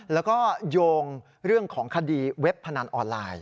แล้วก็โยงเรื่องของคดีเว็บพนันออนไลน์